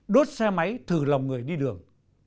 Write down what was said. đốt xe máy thử lòng người đi đường